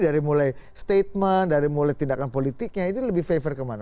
dari mulai statement dari mulai tindakan politiknya itu lebih favor kemana